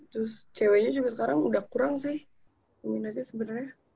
terus ceweknya juga sekarang